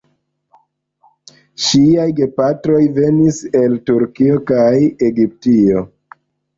Ŝiaj gepatroj venis el Turkio kaj Egiptio.